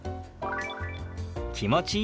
「気持ちいい」。